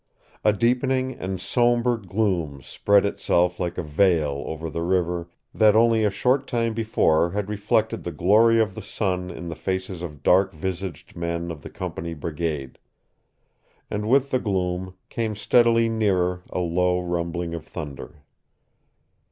A deepening and somber gloom spread itself like a veil over the river that only a short time before had reflected the glory of the sun in the faces of dark visaged men of the Company brigade. And with the gloom came steadily nearer a low rumbling of thunder.